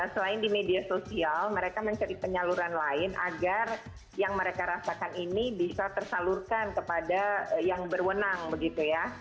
selain di media sosial mereka mencari penyaluran lain agar yang mereka rasakan ini bisa tersalurkan kepada yang berwenang begitu ya